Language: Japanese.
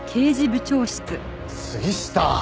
杉下！